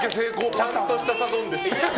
ちゃんとしたサドンデス。